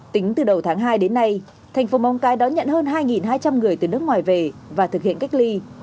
tính từ đầu tháng hai đến nay thành phố móng cái đón nhận hơn hai hai trăm linh người từ nước ngoài về và thực hiện cách ly